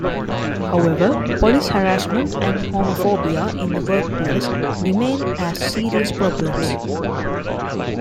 However, police harassment and homophobia in the workplace remain as serious problems.